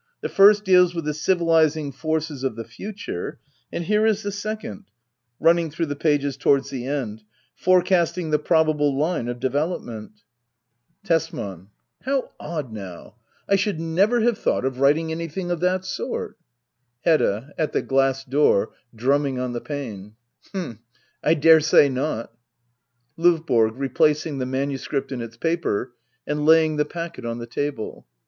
The first deals with the civilis ing forces of the future. And here is the second — [mnitsng through the pages towards the end] — fore casting the probable Ihie of development. Digitized by Google 88 HEDDA OABLER. [aCT II. Tesman. How odd now ! I should never have thought of writing anything of that sort. Hedoa [At the glass door, drumming on the pane,^ H'm , I daresay not. L&VBORO. [Replacing the manuscript in its paper and laying the packet on the table.